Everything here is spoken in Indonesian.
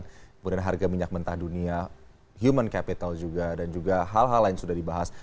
kemudian harga minyak mentah dunia human capital juga dan juga hal hal lain sudah dibahas